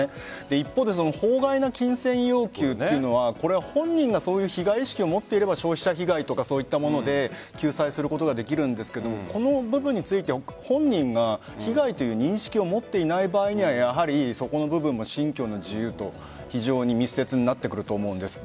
一方で法外な金銭要求というのは本人がそういう被害意識を持っていれば消費者被害とかいったもので救済することができるんですがこの部分について本人が被害という認識を持っていない場合にはそこの部分も信教の自由と非常に密接になってくると思うんです。